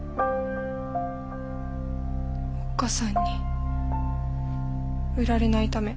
おっ母さんに売られないため。